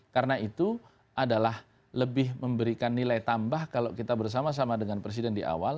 karena itu adalah lebih memberikan nilai tambah kalau kita bersama sama dengan presiden di awal